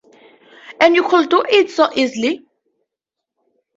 And you could do it so easily.